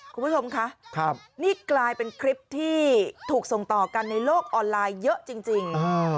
คุณผู้ชมคะนี่กลายเป็นคลิปที่ถูกส่งต่อกันในโลกออนไลน์เยอะจริง